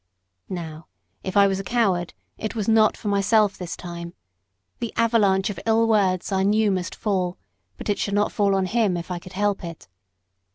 Now, if I was a coward, it was not for myself this time. The avalanche of ill words I knew must fall but it should not fall on him, if I could help it.